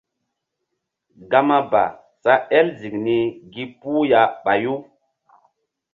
Gama ba sa el ziŋ ni gi puh ya ɓayu.